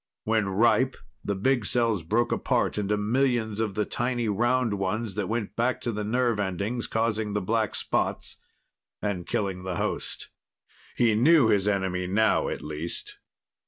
When "ripe", the big cells broke apart into millions of the tiny round ones that went back to the nerve endings, causing the black spots and killing the host. He knew his enemy now, at least.